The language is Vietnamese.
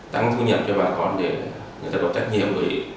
tăng thú nhập cho bà con để người ta có trách nhiệm